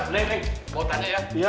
neng mau tanya ya